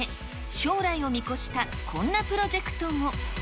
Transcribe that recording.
将来を見越したこんなプロジェクトも。